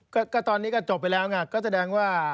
ก็ตอนนี้ก็จบไปแล้วไงก็แสดงว่า